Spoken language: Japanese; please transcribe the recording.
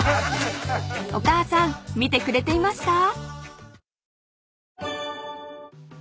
［お母さん見てくれていますか？］